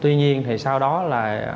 tuy nhiên thì sau đó là